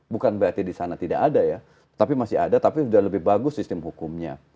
bukan berarti di sana tidak ada ya tapi masih ada tapi sudah lebih bagus sistem hukumnya